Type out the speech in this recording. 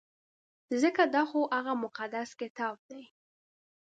ځکه دا خو هغه مقدس کتاب دی.